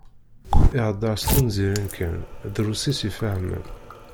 Ihedder s tunẓirin kan, drus i s-ifehhmen.